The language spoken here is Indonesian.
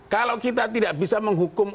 kalau kita tidak bisa menghukum